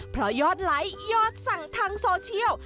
เพราะยอดไลค์ยอดสั่งทางโซเชียล